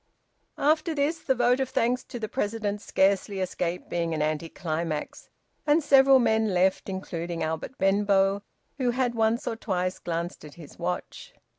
After this the vote of thanks to the President scarcely escaped being an anticlimax. And several men left, including Albert Benbow, who had once or twice glanced at his watch.